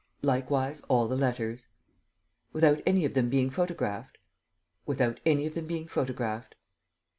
"Likewise, all the letters." "Without any of them being photographed?" "Without any of them being photographed."